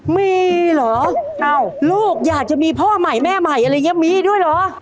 มีเหรอลูกอยากจะมีพ่อใหม่แม่ใหม่ก็อยู่ด้วยเหรอ